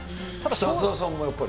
北澤さんはやっぱり？